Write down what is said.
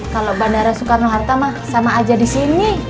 kalau bandara soekarno hartamah sama aja di sini